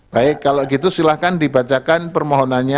baik kalau gitu silahkan dibacakan permohonannya